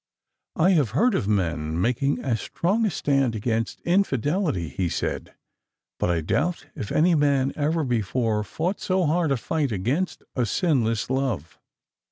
" I have heard of men making as strong a stand against in fidelity," he said ;" but I doubt if any man ever before fought so hard a fight against a sinless love."